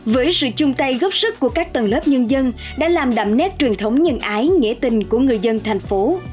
với sự chung tay góp sức của các tầng lớp nhân dân đã làm đậm nét truyền thống nhân ái nghĩa tình của người dân thành phố